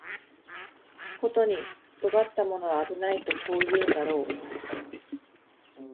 ことに尖ったものは危ないとこう言うんだろう